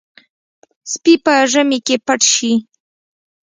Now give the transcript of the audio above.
سپي په ژمي کې پټ شي.